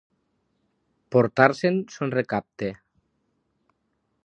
Portar-se'n son recapte.